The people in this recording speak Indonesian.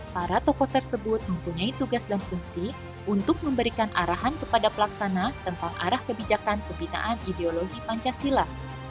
para tokoh tersebut mempunyai tugas dan fungsi untuk memberikan arahan kepada pelaksana tentang arah kebijakan pembinaan ideologi pancasila